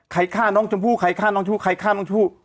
ใครฆ่าน้องชมพู่ใครฆ่าน้องชมพู่ใครฆ่าน้องชู่